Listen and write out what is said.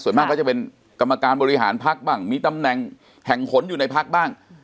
ส่วนมากก็จะเป็นกรรมการบริหารพักบ้างมีตำแหน่งแห่งหนอยู่ในพักบ้าง